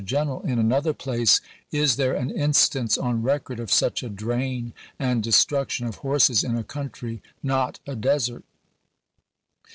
^*^^' ter Greneral in another place: "Is there an instance Yar^iL," on record of such a drain and destruction of horses ^' in a country not a desert?"